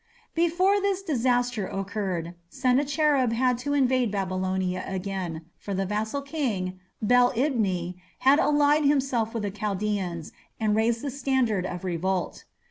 Before this disaster occurred Sennacherib had to invade Babylonia again, for the vassal king, Bel ibni, had allied himself with the Chaldaeans and raised the standard of revolt.